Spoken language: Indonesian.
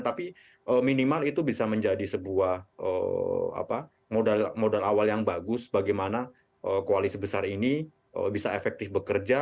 tapi minimal itu bisa menjadi sebuah modal awal yang bagus bagaimana koalisi besar ini bisa efektif bekerja